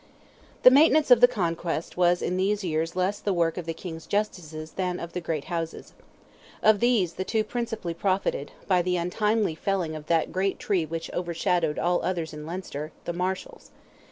The maintenance of the conquest was in these years less the work of the King's Justices than of the great houses. Of these, two principally profited, by the untimely felling of that great tree which overshadowed all others in Leinster, the Marshals.